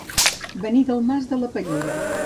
Venir del Mas de la Pallera.